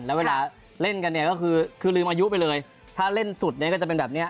แล้วเวลาเล่นกันเนี่ยก็คือคือลืมอายุไปเลยถ้าเล่นสุดเนี่ยก็จะเป็นแบบนี้